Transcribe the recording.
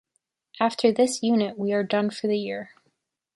After this unit, we are done for the year.